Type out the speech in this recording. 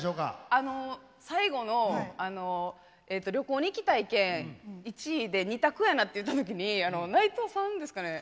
あの最後の旅行に行きたい県１位で「２択やな」って言った時に内藤さんですかね